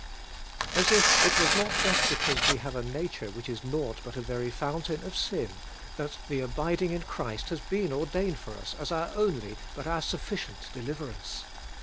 As if it was not just because we have a nature which is naught but a very fountain of sin, that the abiding in Christ has been ordained for us as our only but our sufKcient deliverance!